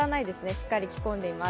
しっかり着こんでいます。